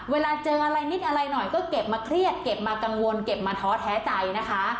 เวลาเจออะไรนิดอะไรหน่อยก็เก็บมาเครียดเก็บมากังวลเก็บมาท้อแท้ใจนะคะ